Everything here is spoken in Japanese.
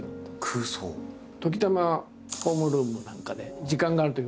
時たまホームルームなんかで時間があるとき